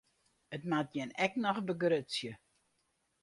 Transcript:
It moat jin ek noch begrutsje.